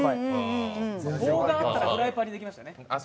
棒があったらフライパンにできましたね。